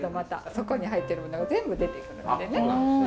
そこに入ってるものが全部出てくるんでね。